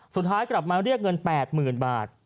สุดท้ายกลับมาเรียกเงิน๘๐๐๐บาท